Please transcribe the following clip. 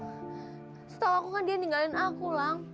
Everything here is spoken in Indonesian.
setelah aku kan dia ninggalin aku